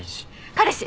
彼氏。